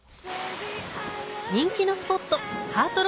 人気のスポットハート